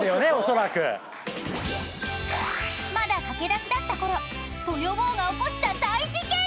［まだ駆け出しだったころ豊坊が起こした大事件！］